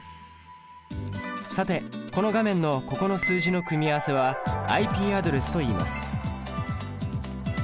さてこの画面のここの数字の組み合わせはＩＰアドレスといいます。